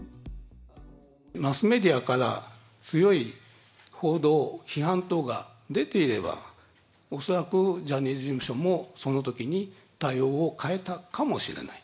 マスメディアから強い報道批判等が出ていれば、恐らくジャニーズ事務所もそのときに対応を変えたかもしれない。